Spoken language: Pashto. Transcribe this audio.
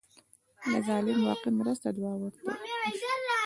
د ظالم واقعي مرسته دعا ورته وشي.